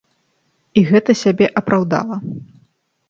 І гэта сябе апраўдала.